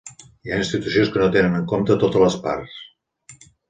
Hi ha institucions que no tenen en compte totes les parts.